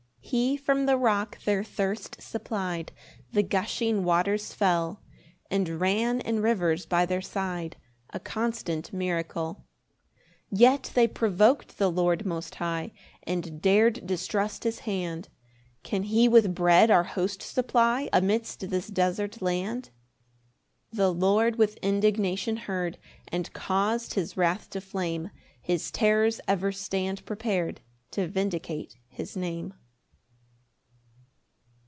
6 He from the rock their thirst supply'd; The gushing waters fell, And ran in rivers by their side, A constant miracle. 7 Yet they provok'd the Lord most high, And dar'd distrust his hand; "Can he with bread our host supply "Amidst this desert land?" 8 The Lord with indignation heard, And caus'd his wrath to flame His terrors ever stand prepar'd To vindicate his Name.